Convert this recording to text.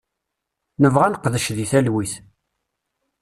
Nebɣa ad neqdec di talwit.